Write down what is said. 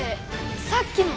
さっきの！